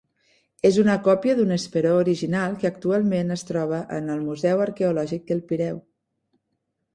És una còpia d'un esperó original que actualment es troba en el museu arqueològic del Pireu.